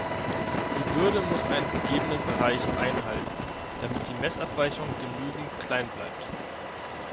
Die Bürde muss einen gegebenen Bereich einhalten, damit die Messabweichung genügend klein bleibt.